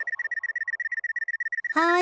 はい。